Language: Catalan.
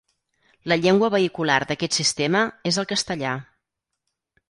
La llengua vehicular d'aquest sistema és el castellà.